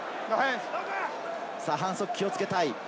反則に気をつけたい。